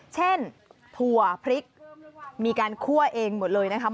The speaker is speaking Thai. ถั่วพริกมีการคั่วเองหมดเลยนะคะ